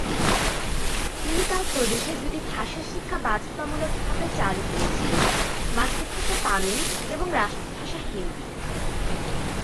তিনি তার প্রদেশে দুটি ভাষা শিক্ষা বাধ্যতামূলকভাবে চালু করেছিলেন, মাতৃভাষা তামিল এবং রাষ্ট্রভাষা হিন্দি।